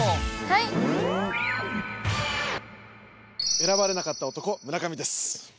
選ばれなかった男村上です。